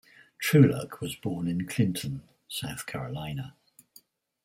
Truluck was born in Clinton, South Carolina.